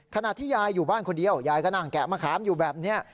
ขณะที่ยายอยู่บ้านคนเดียวยายก็นั่งแกะมะขามอยู่แบบนี้